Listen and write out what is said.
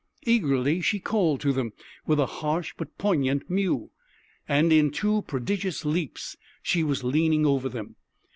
Eagerly she called to them, with a harsh but poignant mew, and in two prodigious leaps she was leaning over them.